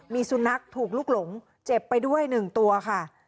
มีสุนัขถูกลุกหลงเจ็บไปด้วย๑ตัวค่ะ